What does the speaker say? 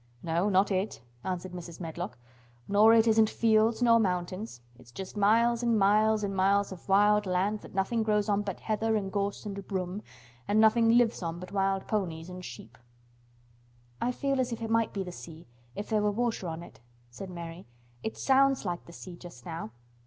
"No, not it," answered Mrs. Medlock. "Nor it isn't fields nor mountains, it's just miles and miles and miles of wild land that nothing grows on but heather and gorse and broom, and nothing lives on but wild ponies and sheep." "I feel as if it might be the sea, if there were water on it," said Mary. "It sounds like the sea just now."